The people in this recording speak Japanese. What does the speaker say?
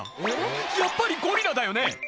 やっぱりゴリラだよね？